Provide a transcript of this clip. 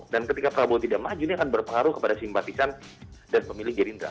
dan ketika prabowo tidak maju ini akan berpengaruh kepada simpatisan dan pemilih girindra